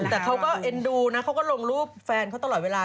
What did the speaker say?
แต่เขาก็เอ็นดูนะเขาก็ลงรูปแฟนเขาตลอดเวลา